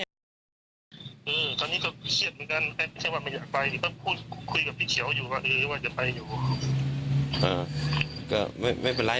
เขาพูดคุยกับพี่เฉียวอยู่ว่าเออว่าจะไปอยู่อ่าก็ไม่ไม่เป็นไร